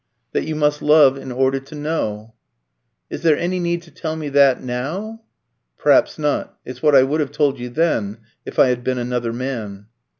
"That you must love in order to know." "Is there any need to tell me that now?" "Perhaps not. It's what I would have told you then if I had been another man."